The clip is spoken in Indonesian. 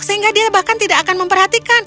sehingga dia bahkan tidak akan memperhatikan